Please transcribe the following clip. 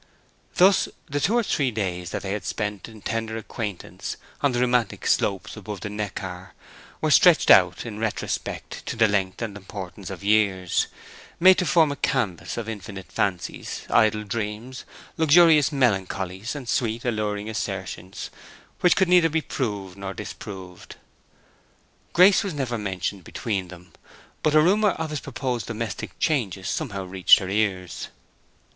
Thus the two or three days that they had spent in tender acquaintance on the romantic slopes above the Neckar were stretched out in retrospect to the length and importance of years; made to form a canvas for infinite fancies, idle dreams, luxurious melancholies, and sweet, alluring assertions which could neither be proved nor disproved. Grace was never mentioned between them, but a rumor of his proposed domestic changes somehow reached her ears.